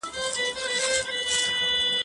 سفر وکړه؟!